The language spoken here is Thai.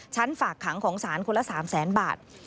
ชั้นฝากขังของศาลคนละ๓๐๐๐๐๐บาท